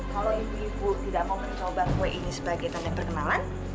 kalau ibu ibu tidak mau mencoba kue ini sebagai tanda perkenalan